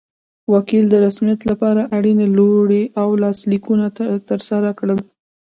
وکیل د رسمیت لپاره اړینې لوړې او لاسلیکونه ترسره کړل.